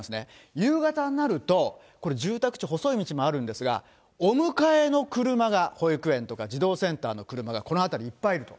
夕方になると、これ、住宅地、細い道もあるんですが、お迎えの車が、保育園とか児童センターの車がこの辺りにいっぱいあると。